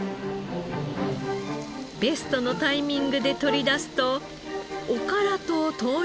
ベストのタイミングで取り出すとおからと豆乳に分け